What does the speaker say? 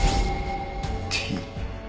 Ｔ。